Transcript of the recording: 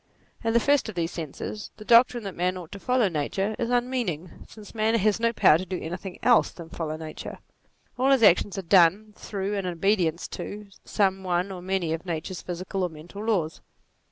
In the first of these senses, the doctrine that man ought to follow nature is unmeaning ; since man has no power to do anything else than follow nature; all his actions are done through, and in obedience to, some one or many of nature's physical or mental laws.